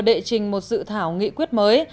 đệ trình một dự thảo nghị quyết mới